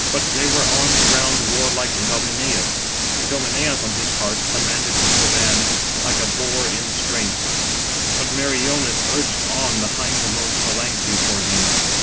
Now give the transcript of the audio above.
But they were armed around warlike Idomeneus. Idomeneus, on his part, [commanded] in the van, like a boar in strength; but Meriones urged on the hindmost phalanxes for him.